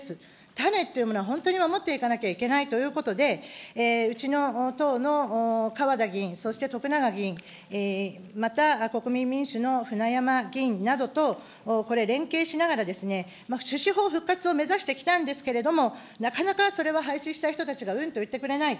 種というものは本当に守っていかなければいけないということで、うちの党のかわだ議員、そしてとくなが議員、また国民民主のふなやま議員などとこれ、連携しながらですね、種子法復活を目指してきたんですけど、なかなかそれは廃止した人たちがうんと言ってくれない。